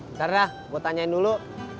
ntar dah gue tanyain dulu